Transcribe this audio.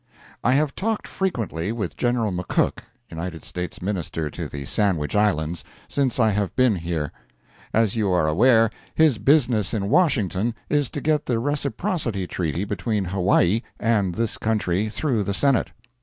I have talked frequently with General McCook, United States Minister to the Sandwich Islands, since I have been here. As you are aware, his business in Washington is to get the reciprocity treaty between Hawaii and this country through the Senate.